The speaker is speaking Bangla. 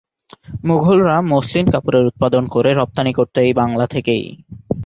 মুঘলরা মসলিন কাপড়ের উৎপাদন করে রপ্তানী করত এই বাংলা থেকেই।